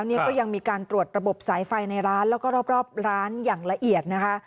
ก็ยังมีการตรวจระบบสายไฟในร้านแล้วก็รอบร้านอย่างละเอียดนะคะ